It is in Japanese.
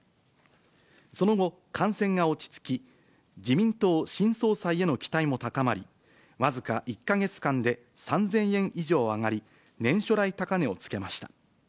その後、感染が落ち着き、自民党新総裁への期待も高まり、僅か１か月間で３０００円以上上がり、年初来高値をつけました。